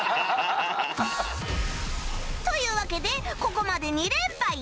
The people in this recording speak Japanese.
というわけでここまで２連敗